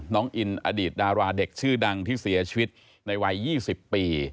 น้องอินอดีตดาราเด็กชื่อดังที่เสียชีวิตในวัย๒๐ปี